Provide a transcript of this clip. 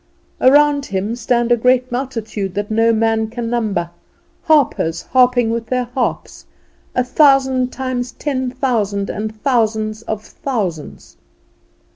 Around Him stand a great multitude that no man can number, harpers harping with their harps, a thousand times ten thousand, and thousands of thousands.